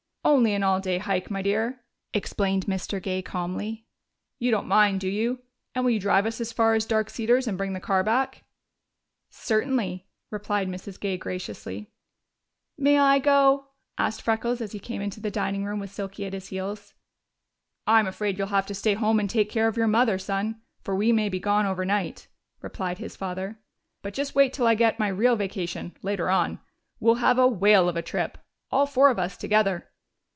"Only an all day hike, my dear," explained Mr. Gay calmly. "You don't mind, do you? And will you drive us as far as Dark Cedars and bring the car back?" "Certainly," replied Mrs. Gay graciously. "May I go?" asked Freckles as he came into the dining room with Silky at his heels. "I'm afraid you'll have to stay home and take care of your mother, Son, for we may be gone overnight," replied his father. "But just wait till I get my real vacation, later on. We'll have a whale of a trip. All four of us together."